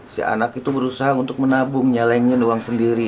si anak itu berusaha untuk menabung nyalengin uang sendiri